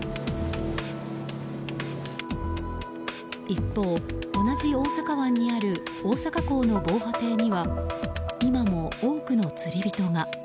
一方、同じ大阪湾にある大阪港の防波堤には今も多くの釣り人が。